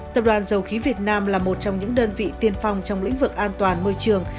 tập đoàn dầu khí việt nam là một trong những đơn vị tiên phong trong lĩnh vực an toàn môi trường